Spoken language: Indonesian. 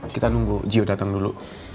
kita nunggu gio dateng dulu